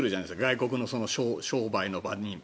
外国の商売の場に。